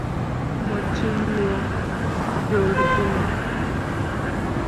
Mo ciŋ yo gyõrîi ɗine.